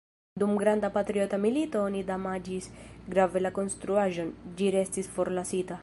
Dum Granda patriota milito oni damaĝis grave la konstruaĵon, ĝi restis forlasita.